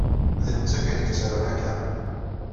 D netta kan au yettarun akka.